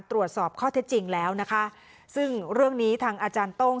ตรวจสอบข้อเท็จจริงแล้วนะคะซึ่งเรื่องนี้ทางอาจารย์โต้ง